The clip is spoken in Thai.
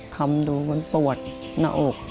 คำดูมันปวดหน้าอก